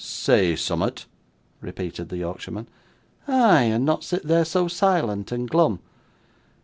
'Say summat?' repeated the Yorkshireman. 'Ay, and not sit there so silent and glum.